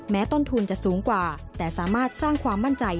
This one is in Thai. ต้นทุนจะสูงกว่าแต่สามารถสร้างความมั่นใจ